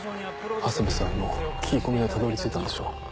長谷部さんも聞き込みでたどり着いたんでしょう。